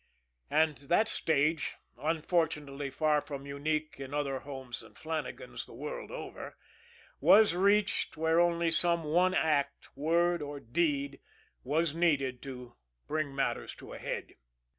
And that stage, unfortunately far from unique in other homes than Flannagan's the world over, was reached where only some one act, word or deed was needed to bring matters to a head.